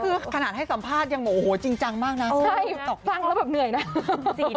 เขาถ่ายบ่อยกว่านูอีกเขาขยันกว่านูอีก